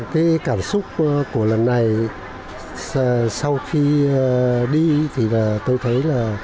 cái cảm xúc của lần này sau khi đi thì là tôi thấy là